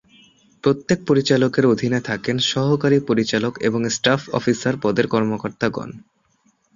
প্রত্যেক পরিচালকের অধিনে থাকেন সহকারী পরিচালক এবং স্টাফ অফিসার পদের কর্মকর্তাগণ।